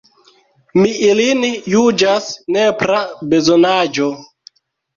Mi ilin juĝas nepra bezonaĵo.